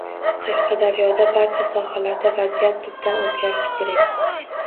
Qashqadaryoda barcha sohalarda vaziyat tubdan o‘zgarishi kerak